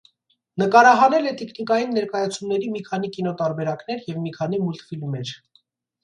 Նկարահանել է տիկնիկային ներկայացումների մի քանի կինոտարբերակներ և մի քանի մուլտֆիլմեր։